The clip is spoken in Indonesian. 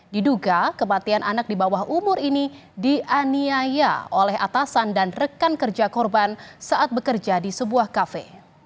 diduga kematian anak di bawah umur ini dianiaya oleh atasan dan rekan kerja korban saat bekerja di sebuah kafe